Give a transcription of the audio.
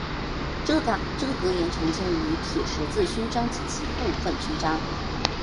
这个格言常见于铁十字勋章及部分勋章。